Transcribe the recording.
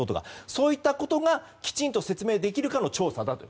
そういったことがきちんと説明できるかの調査だと。